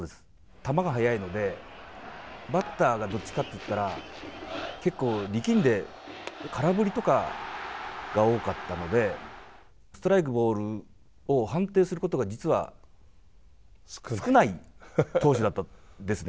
球が速いのでバッターがどっちかっていったら結構力んで空振りとかが多かったのでストライク、ボールを判定することが実は少ない投手だったんですね。